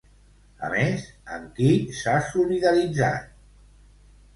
A més, amb qui s'ha solidaritzat?